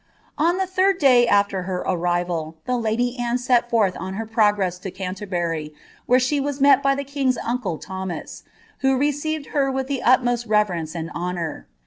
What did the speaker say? )o the third day afler her arrival, the lady Anne set forth on her pro u lo Canterbury, where she waa met by the king's uncle Tltotnas, [> received her with the utmoat reverence and honour.